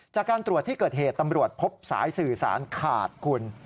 จากการตรวจที่เกิดเหตุตำรวจพบสายสื่อสารขาดคุณ